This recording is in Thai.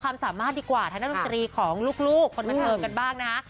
ความสามารถดีกว่าทางด้านดนตรีของลูกคนบันเทิงกันบ้างนะฮะ